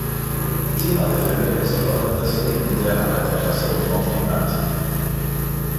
Thema der Filme ist vor allem das Leben der Arbeiterklasse in Nordengland.